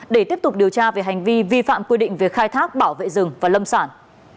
để tiếp tục điều tra về hành vi vi phạm quy định về khai thác bảo vệ rừng và lâm sản